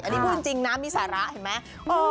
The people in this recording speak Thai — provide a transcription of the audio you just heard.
อันนี้พูดจริงนะมีสาระเห็นไหม